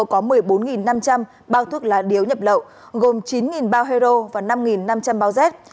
có một mươi bốn năm trăm linh bao thuốc lá điếu nhập lậu gồm chín bao hero và năm năm trăm linh bao jet